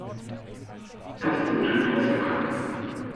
Dustin tut, was er kann.